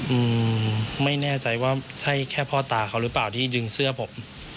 อืมไม่แน่ใจว่าใช่แค่พ่อตาเขาหรือเปล่าที่ดึงเสื้อผม